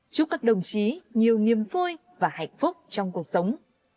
chúc các đồng chí nhiều niềm vui và hạnh phúc trong cuộc sống